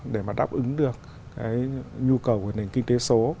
để đáp ứng được nhu cầu của nền kinh tế số